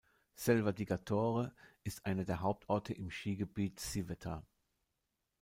Selva di Cadore ist einer der Hauptorte im Skigebiet Civetta.